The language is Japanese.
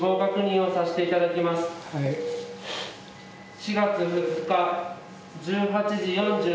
４月２日１８時４３分。